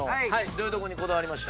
どういうとこにこだわりました？